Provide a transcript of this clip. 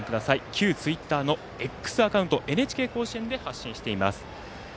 旧ツイッターのＸアカウント「ＮＨＫ甲子園」で発信しています。